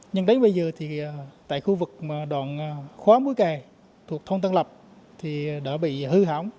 nhưng đến bây giờ thì tại khu vực đoạn khóa mối kè thuộc thôn tân lập thì đã bị hư hỏng